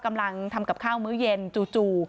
กำลังทำกับข้าวมื้อเย็นจู่